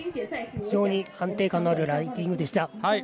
非常に安定感のあるランディングでした。